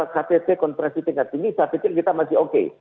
ktt konferensi tingkat tinggi saya pikir kita masih oke